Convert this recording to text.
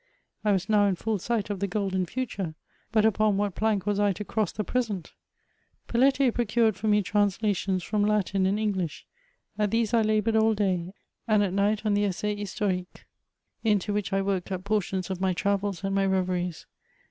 I was now in full sight of the golden future; but upon what plank was I to cross the present ? Pelletier procured for me translations from Latin and English; at these I laboured all day, and at night on the Essai Historique, into winch I worked up portions of my travels and my reyeries.